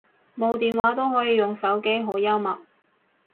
冇電話都可以用手機，好幽默